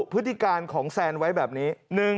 พฤติการของแซนไว้แบบนี้